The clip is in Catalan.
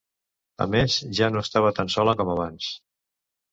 A més, ja no estava tan sola com abans.